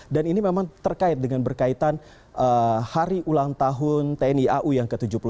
dan ini memang terkait dengan berkaitan hari ulang tahun tni au yang ke tujuh puluh satu